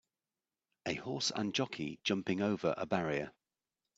A horse and jockey jumping over a barrier.